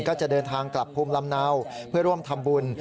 ก็จะเดินทางกลับภูมิลำเนาเพื่อร่วมทำบุญ